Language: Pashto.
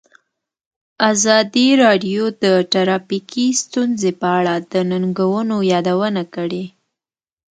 ازادي راډیو د ټرافیکي ستونزې په اړه د ننګونو یادونه کړې.